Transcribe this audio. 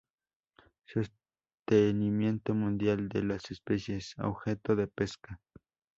Sostenimiento mundial de las especies objeto de pesca.